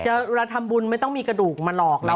เวลาทำบุญไม่ต้องมีกระดูกมาหลอกเรา